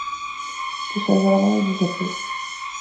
تشاجر مع المدرّس.